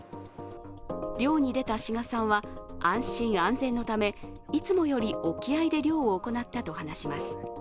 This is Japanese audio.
漁に出た志賀さんは安心・安全のため、いつもより沖合で漁を行ったと話します。